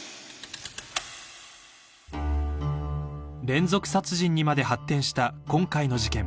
［連続殺人にまで発展した今回の事件］